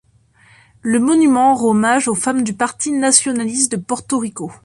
Le monument rend hommage aux femmes du Parti nationaliste de Porto Rico.